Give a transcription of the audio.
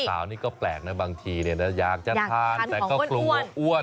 ข่าวนี้ก็แปลกนะบางทีอยากจะทานแต่ก็กลัวอ้วน